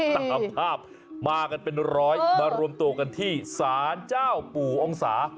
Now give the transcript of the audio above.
ตามภาพมากันเป็นร้อยมารวมตัวกันที่ศาลเจ้าปู่องศา